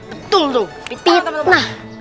betul tuh fitnah